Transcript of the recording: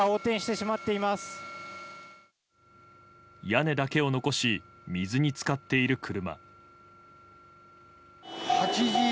屋根だけを残し水に浸かっている車。